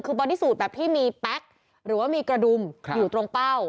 คือบอดี้สูตรแบบที่มีแป๊กหรือว่ามีกระดุมอยู่ตรงเป้า